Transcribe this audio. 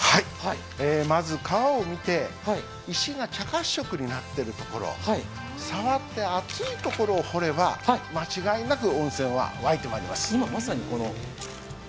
まず川を見て、石が茶褐色になっているところ、触って熱いところを掘れば、間違いなく温泉があります。